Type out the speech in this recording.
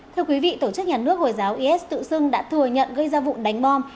thưa quý vị tổ chức nhà nước hồi giáo is tự xưng đã thừa nhận gây ra vụ đánh bom